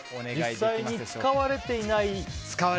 実際に使われていない。